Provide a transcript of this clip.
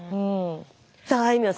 さああいみょん